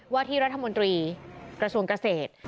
ว่าที่รัฐมนตรีกระทรวงเกษตร